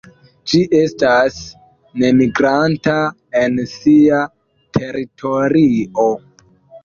Ĝi estas nemigranta en sia teritorio.